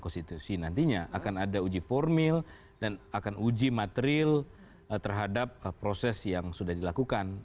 konstitusi nantinya akan ada uji formil dan akan uji material terhadap proses yang sudah dilakukan